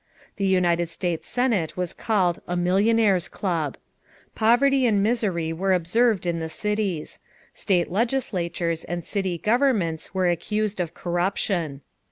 The United States Senate was called "a millionaires' club." Poverty and misery were observed in the cities. State legislatures and city governments were accused of corruption.